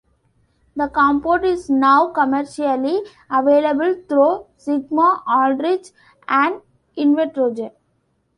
The compound is now commercially available through Sigma-Aldrich and Invitrogen.